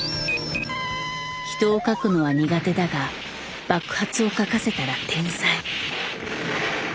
人を描くのは苦手だが爆発を描かせたら天才。